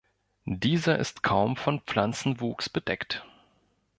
Dieser ist kaum von Pflanzenwuchs bedeckt.